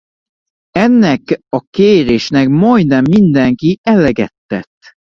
Ennek a kérésnek majdnem mindenki eleget tett.